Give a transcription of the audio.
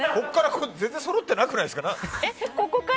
全然そろってなくないですか。